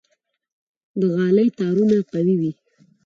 د غالۍ تارونه قوي وي.